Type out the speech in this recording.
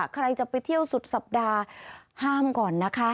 ใครจะไปเที่ยวสุดสัปดาห์ห้ามก่อนนะคะ